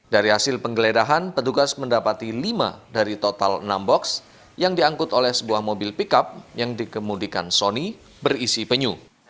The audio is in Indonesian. dari hasil penggeledahan petugas mendapati lima dari total enam box yang diangkut oleh sebuah mobil pickup yang dikemudikan sony berisi penyu